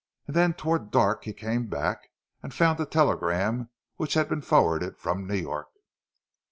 And then, toward dark, he came back, and found a telegram which had been forwarded from New York.